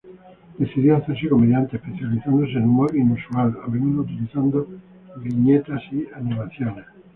Decidió hacerse comediante, especializándose en humor inusual, a menudo utilizando viñetas y animaciones.